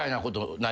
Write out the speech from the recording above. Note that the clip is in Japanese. ない？